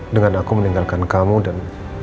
dengan aku meninggalkan kamu dan